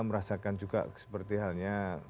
merasakan juga seperti halnya